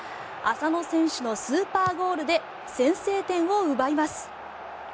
浅野選手のスーパーゴールで先制点を奪います。